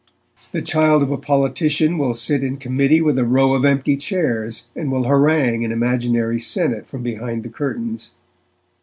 The child of a politician will sit in committee with a row of empty chairs, and will harangue an imaginary senate from behind the curtains.